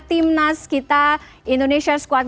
timnas kita indonesia squad